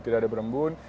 tidak ada berembun